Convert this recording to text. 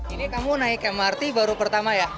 ini kamu naik mrt baru pertama ya